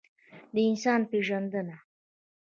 د انسان پېژندنه.